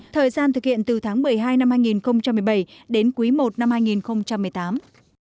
thời gian thực hiện từ tháng một mươi hai năm hai nghìn một mươi bảy đến quý i năm hai nghìn một mươi tám